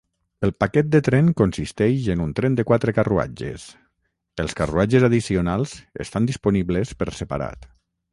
El "paquet de tren" consisteix en un tren de quatre carruatges; els carruatges addicionals estan disponibles per separat.